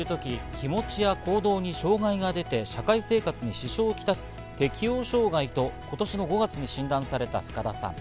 気持ちや行動に障害が出て社会生活に支障をきたす適応障害と今年５月に診断された深田さん。